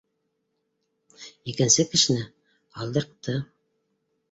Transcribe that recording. Икенсе кешене һалдыртты